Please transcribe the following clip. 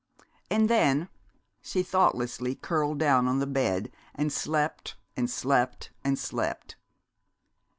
And then she thoughtlessly curled down on the bed, and slept and slept and slept!